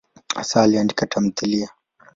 Hasa aliandika tamthiliya.